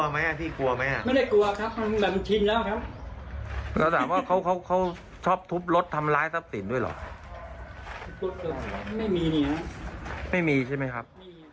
ไม่มีใช่ไหมครับ